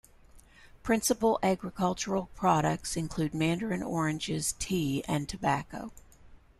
Principal agricultural products include mandarin oranges, tea, and tobacco.